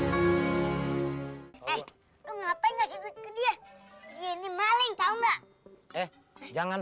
hai hai hai hai hai hai eh ngapain ngasih duit ke dia gini maling tahu enggak eh jangan